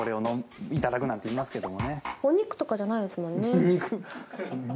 お肉とかじゃないですもんね